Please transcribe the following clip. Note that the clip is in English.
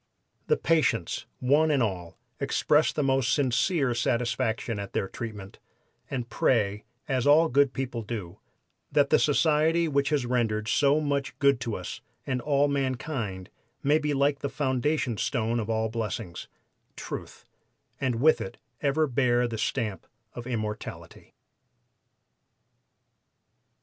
"The patients, one and all, express the most sincere satisfaction at their treatment, and pray, as all good people do, that the society which has rendered so much good to us and all mankind may be like the foundation stone of all blessings Truth and with it ever bear the stamp of immortality."